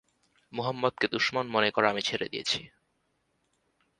মুহাম্মাদকে দুশমন মনে করা আমি ছেড়ে দিয়েছি।